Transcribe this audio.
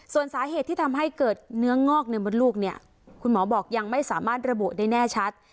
ส่วนสาเหตุที่ทำให้เกิดเนื้องอกในมดลูกเนี่ยคุณหมอบอกยังไม่สามารถระบุได้แน่ชัด